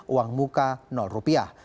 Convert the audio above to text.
uang muka rupiah